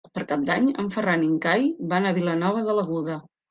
Per Cap d'Any en Ferran i en Cai van a Vilanova de l'Aguda.